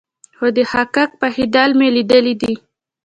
خو د کاک پخېدل مې ليدلي دي.